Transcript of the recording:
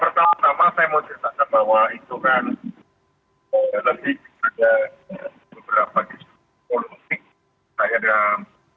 pertama tama saya mau ceritakan bahwa itu kan lebih ada beberapa disiplin politik